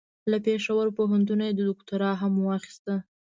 له پېښور پوهنتون یې دوکتورا هم واخیسته.